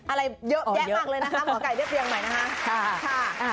อะไรเยอะแยะมากเลยนะคะหมอไก่ได้เรียงใหม่นะคะ